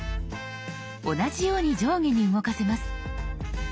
同じように上下に動かせます。